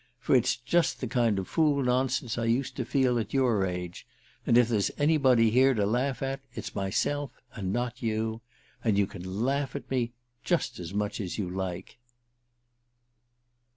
For it's just the kind of fool nonsense I used to feel at your age and if there's anybody here to laugh at it's myself, and not you. And you can laugh at me just as much as you like..."